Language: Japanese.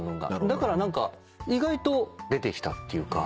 だから意外と出てきたっていうか。